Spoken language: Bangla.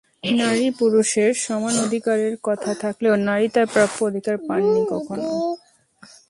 নারী-পুরুষের সমান অধিকারের কথা থাকলেও নারী তাঁর প্রাপ্য অধিকার পাননি কখনো।